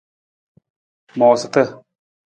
Moosata.